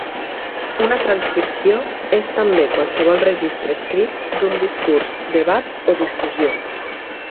Una transcripció és també qualsevol registre escrit d'un discurs, debat o discussió.